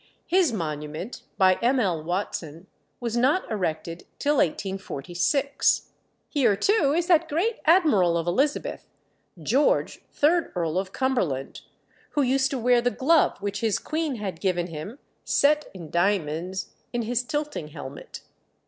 His monument, by M. L. Watson, was not erected till 1846. Here, too, is that great admiral of Elizabeth George, third Earl of Cumberland, who used to wear the glove which his queen had given him, set in diamonds, in his tilting helmet.